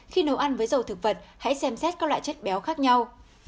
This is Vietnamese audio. khi nấu ăn với dầu thực vật hãy xem xét các loại chất béo khác nhau